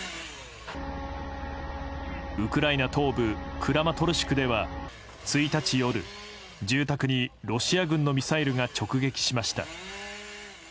ウクライナ東部クラマトルシクでは１日夜、住宅にロシア軍のミサイルが直撃しました。